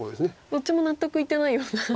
どっちも納得いってないような。